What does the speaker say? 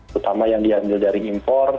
terutama yang diambil dari impor